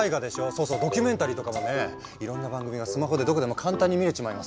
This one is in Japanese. そうそうドキュメンタリーとかもねいろんな番組がスマホでどこでも簡単に見れちまいますよ。